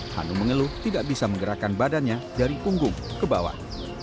hanum mengeluh tidak bisa menggerakkan badannya dari punggung ke bawah